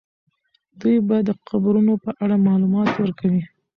دوی به د قبرونو په اړه معلومات ورکوي.